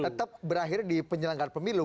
tetap berakhir di penyelenggara pemilu